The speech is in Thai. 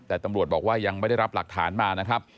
แต่ตำรวจบอกว่ายังไม่ได้รับหลักฐานมานะครับ